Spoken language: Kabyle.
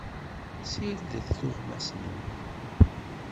Ssirdet tuɣmas-nwen.